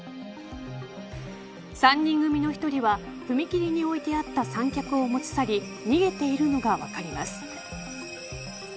３人組の１人は、踏切に置いてあった三脚を持ち去り逃げているのが分かります。